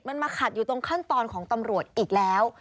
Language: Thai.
มันมาขัดอยู่ตรงขั้นตอนของตำรวจอีกแล้ว